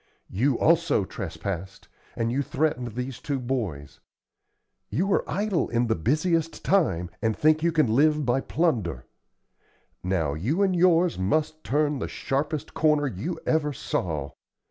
You also trespassed, and you threatened these two boys; you are idle in the busiest time, and think you can live by plunder. Now, you and yours must turn the sharpest corner you ever saw.